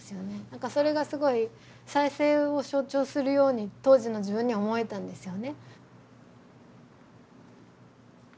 なんかそれがすごい再生を象徴するように当時の自分には思えたんですよね。